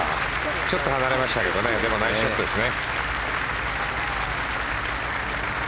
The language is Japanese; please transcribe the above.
ちょっと離れましたけどナイスショットでしたね。